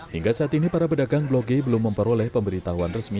hingga saat ini para pedagang blok g belum memperoleh pemberitahuan resmi